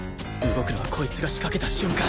動くのはこいつが仕掛けた瞬間